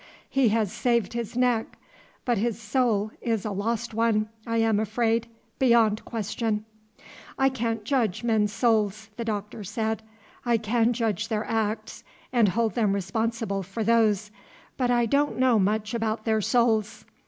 He has saved his neck, but his soul is a lost one, I am afraid, beyond question." "I can't judge men's souls," the Doctor said. "I can judge their acts, and hold them responsible for those, but I don't know much about their souls.